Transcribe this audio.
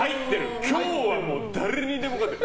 今日は誰にでも勝てる！